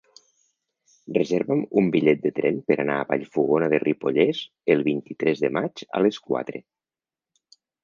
Reserva'm un bitllet de tren per anar a Vallfogona de Ripollès el vint-i-tres de maig a les quatre.